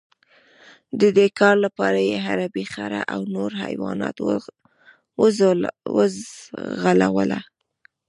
د دې کار لپاره یې عربي خره او نور حیوانات وځغلول.